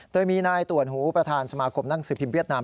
โดยมีนายต่วนหูประธานสมาคมหนังสือพิมเวียดนาม